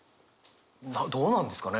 どうなんですかね？